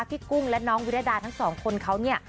กุ้งและน้องวิรดาทั้งสองคนเขาเนี่ย